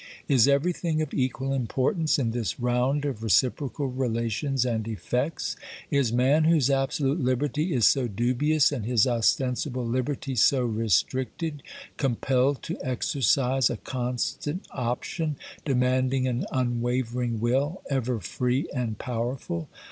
Is everything of equal importance in this round of recip rocal relations and effects ? Is man, whose absolute liberty is so dubious and his ostensible liberty so restricted, compelled to exercise a constant option demanding an unwavering will, ever free and powerful?